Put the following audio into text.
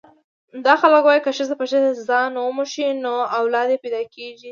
دا خلک وايي که ښځه په ښځه ځان وموښي نو اولاد یې پیدا کېږي.